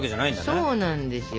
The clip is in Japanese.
そうなんですよ。